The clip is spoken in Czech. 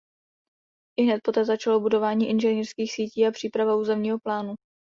Ihned poté začalo budování inženýrských sítí a příprava územního plánu.